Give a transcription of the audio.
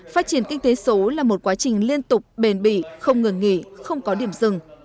phát triển kinh tế số là một quá trình liên tục bền bỉ không ngừng nghỉ không có điểm dừng